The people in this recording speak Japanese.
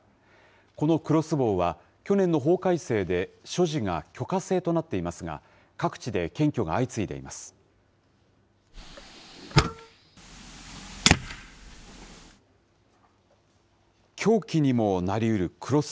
このクロスボウは、去年の法改正で所持が許可制となっていますが、各地で検挙が相次いでいます。